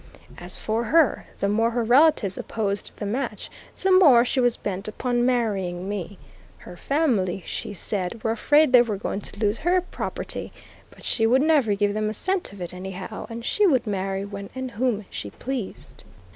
As for her, the more her relatives opposed the match, the more she was bent upon marrying me. Her family, she, said, were afraid they were going to lose her property, but she would never give them a cent of it, anyhow, and she would marry when and whom she pleased.